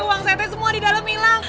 uang sete semua di dalam hilang